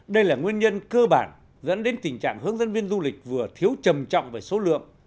đây là nguyên nhân cơ bản dẫn đến tình trạng hướng dẫn viên du lịch vừa thiếu trầm trọng về số lượng